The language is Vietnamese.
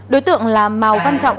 đối tượng là màu văn trọng